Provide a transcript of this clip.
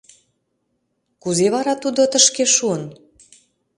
Кузе вара тудо тышке шуын?